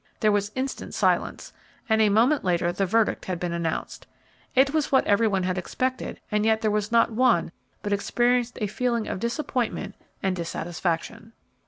There was instant silence, and a moment later the verdict had been announced. It was what every one had expected, and yet there was not one but experienced a feeling of disappointment and dissatisfaction.